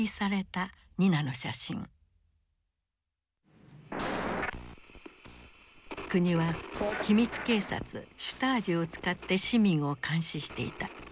これは国は秘密警察シュタージを使って市民を監視していた。